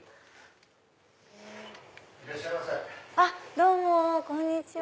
どうもこんにちは。